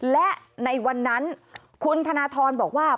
และในวันนั้นคุณธนทรบอกว่า